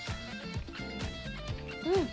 うん！